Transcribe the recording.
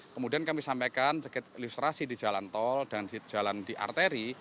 kemudian kami sampaikan ilustrasi di jalan tol dan jalan di arteri